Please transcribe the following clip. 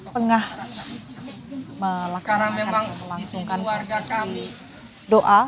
pengah melaksanakan melangsungkan petisi doa